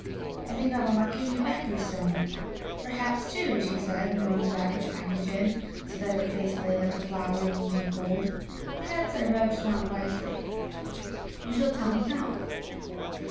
I think I will not give you back your stone. Perhaps, too," she said, throwing back her tiny chin, so that her face lay like a flower in leaves of gold "perhaps I rubbed not wisely. You shall tell me how."